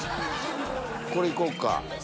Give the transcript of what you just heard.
これいこうか。